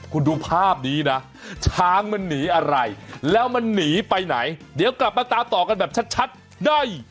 คุณดูภาพนี้นะช้างมันหนีอะไรแล้วมันหนีไปไหนเดี๋ยวกลับมาตามต่อกันแบบชัดได้